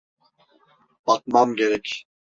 Bakmam gerek.